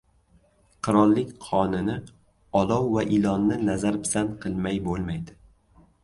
• Qirollik qonini, olov va ilonni nazar-pisand qilmay bo‘lmaydi.